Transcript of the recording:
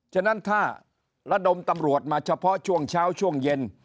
ฉะนั้นถ้าระดมตำรวจมาเฉพาะช่วงเช้าช่วงเย็น